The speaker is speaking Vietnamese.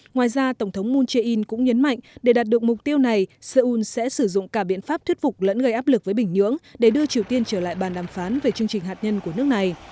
ngoài ra tổng thống moon jae in cũng nhấn mạnh để đạt được mục tiêu này seoul sẽ sử dụng cả biện pháp thuyết phục lẫn gây áp lực với bình nhưỡng để đưa triều tiên trở lại bàn đàm phán về chương trình hạt nhân của nước này